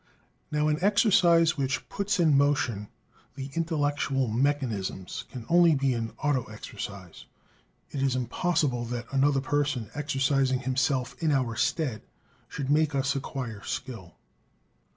Now an exercise which "puts in motion" the intellectual mechanisms can only be an "auto exercise." It is impossible that another person, exercising himself in our stead, should make us acquire skill.